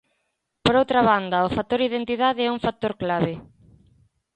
Por outra banda, o factor identidade é un factor clave.